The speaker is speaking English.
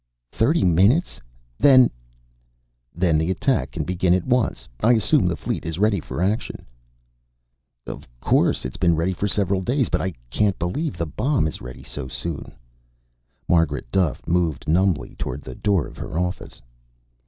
"Thirty minutes! Then " "Then the attack can begin at once. I assume the fleet is ready for action." "Of course. It's been ready for several days. But I can't believe the bomb is ready so soon." Margaret Duffe moved numbly toward the door of her office.